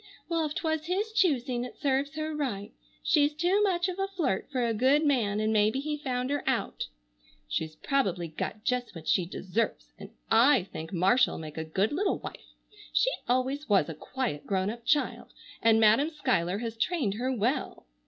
Well, if 'twas his choosing it serves her right. She's too much of a flirt for a good man and maybe he found her out. She's probably got just what she deserves, and I think Marcia'll make a good little wife. She always was a quiet, grown up child and Madam Schuyler has trained her well!